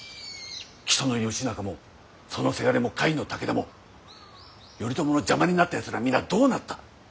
木曽義仲もそのせがれも甲斐の武田も頼朝の邪魔になったやつらは皆どうなった。